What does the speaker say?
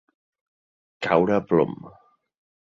Caure a plom.